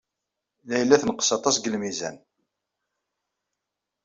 Layla tenqes aṭas deg lmizan.